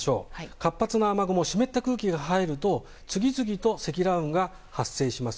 活発な雨雲、湿った空気が入ると次々と積乱雲が発生します。